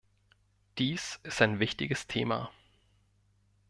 Dies ist ein wichtiges Thema.